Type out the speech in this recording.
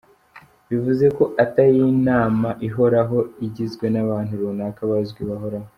Bivuze ko atari inama ihoraho igizwe n’abantu runaka bazwi bahoraho.